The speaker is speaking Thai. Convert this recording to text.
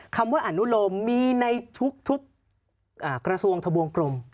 คำว่าอนุโลมมีในทุกกระทรวงทะบวงกลม